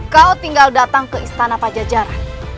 kau tinggal datang ke istana pajajaran